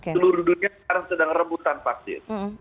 seluruh dunia sekarang sedang rebutan vaksin